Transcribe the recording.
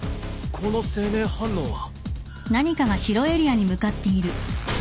この生命反応は。